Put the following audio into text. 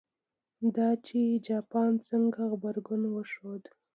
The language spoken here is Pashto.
دا چې جاپان څنګه غبرګون وښود.